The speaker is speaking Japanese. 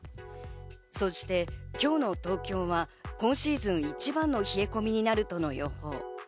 そして今日の東京は今シーズン一番の冷え込みになるとの予報。